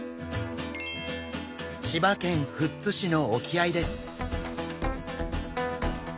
千葉県富津市の沖合です。